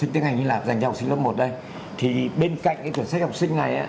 thì bên cạnh cái cuốn sách học sinh này